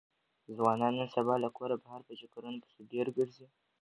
ځوانان نن سبا له کوره بهر په چکرونو پسې ډېر ګرځي.